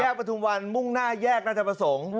แยกประทุมวันมุ่งหน้าแยกหน้าทะพสงค์